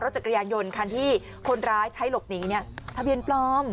เราจะกระยานยนต์คันที่คนร้ายใช้หลบหนีทะเบียนปลอม